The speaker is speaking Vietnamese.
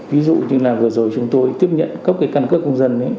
ví dụ như là vừa rồi chúng tôi tiếp nhận các cái căn cước công dân